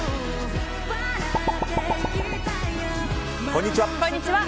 こんにちは。